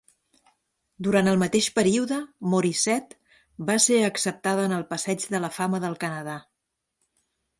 Durant el mateix període, Morissette va ser acceptada en el Passeig de la fama del Canadà.